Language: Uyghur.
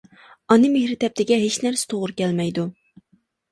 ئانا مېھرى تەپتىگە ھېچ نەرسە توغرا كەلمەيدۇ.